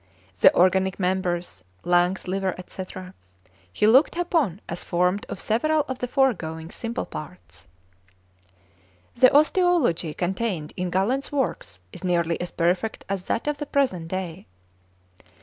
The organic members, e.g. lungs, liver, etc., he looked upon as formed of several of the foregoing simple parts. The osteology contained in Galen's works is nearly as perfect as that of the present day.